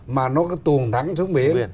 mà nó có tuồng thắng xuống biển